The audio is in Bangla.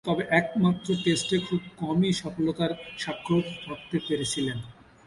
তবে, একমাত্র টেস্টে খুব কমই সফলতার স্বাক্ষর রাখতে পেরেছিলেন।